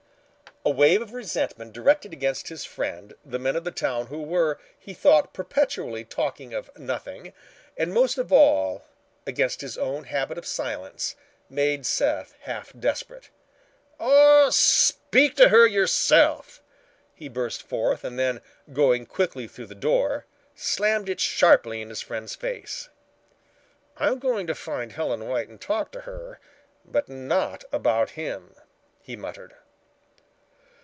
A wave of resentment directed against his friend, the men of the town who were, he thought, perpetually talking of nothing, and most of all, against his own habit of silence, made Seth half desperate. "Aw, speak to her yourself," he burst forth and then, going quickly through the door, slammed it sharply in his friend's face. "I'm going to find Helen White and talk to her, but not about him," he muttered.